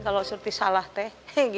kalau surti salah teh